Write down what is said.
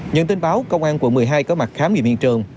nhân tin báo công an quận một mươi hai có mặt khám nghiệp hiện trường